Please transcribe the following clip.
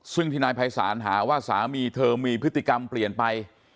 ซึ่งที่นายภัยศาลหาว่าสามีเธอมีพฤติกรรมเปลี่ยนไป